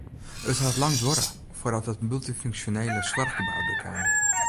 It hat lang duorre foardat it multyfunksjonele soarchgebou der kaam.